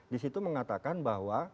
disitu mengatakan bahwa